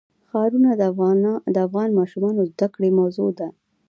ښارونه د افغان ماشومانو د زده کړې موضوع ده.